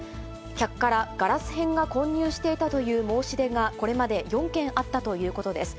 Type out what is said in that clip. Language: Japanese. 客からガラス片が混入していたという申し出がこれまで４件あったということです。